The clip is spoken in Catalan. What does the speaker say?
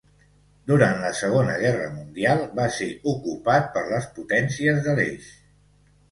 Durant la Segona Guerra Mundial, va ser ocupat per les Potències de l'Eix.